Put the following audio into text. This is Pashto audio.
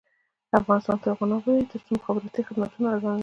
افغانستان تر هغو نه ابادیږي، ترڅو مخابراتي خدمتونه ارزانه نشي.